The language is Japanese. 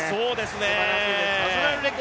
すばらしいです。